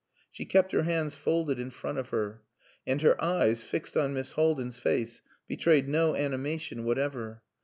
She kept her hands folded in front of her, and her eyes, fixed on Miss Haldin's face, betrayed no animation whatever.